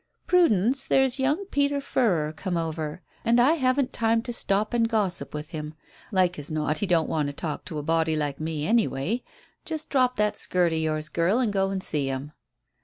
"Prudence, there's young Peter Furrer come over, and I haven't time to stop and gossip with him. Like as not he don't want to talk to a body like me, anyway. Just drop that skirt o' yours, girl, and go and see him.